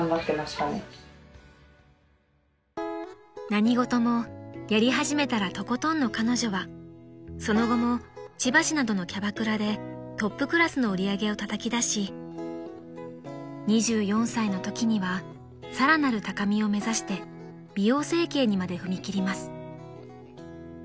［何事もやり始めたらとことんの彼女はその後も千葉市などのキャバクラでトップクラスの売り上げをたたき出し２４歳のときにはさらなる高みを目指して美容整形にまで踏み切ります］